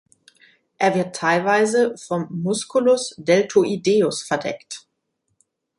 Er wird teilweise vom Musculus deltoideus verdeckt.